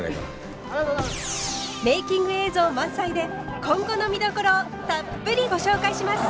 メイキング映像満載で今後の見どころをたっぷりご紹介します！